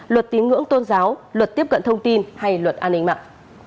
luật tín ngưỡng tôn giáo luật tiếp cận thông tin hay luật an ninh mạng